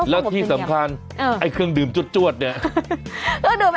แล้วที่สำคัญไอ้เครื่องดื่มจวดเนี่ย